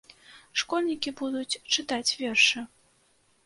Школьнікі будуць чытаць вершы.